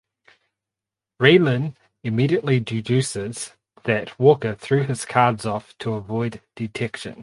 Raylan immediately deduces that Walker threw his cards off to avoid detection.